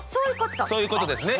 そういうことですね。